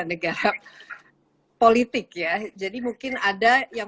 negara politik ya jadi mungkin ada yang